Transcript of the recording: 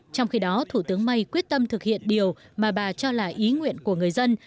trong khi đó thủ tướng may quyết tâm thực hiện điều mà bà cho là ý nguyện của người dân